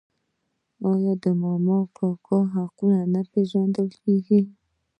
آیا د ماما او کاکا حقونه نه پیژندل کیږي؟